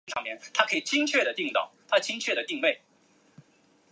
是最接近爱知县森林公园的车站。